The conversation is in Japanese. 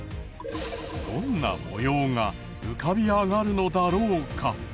どんな模様が浮かび上がるのだろうか？